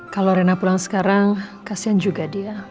kalo rena pulang sekarang kasian juga dia